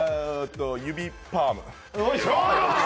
指パーム。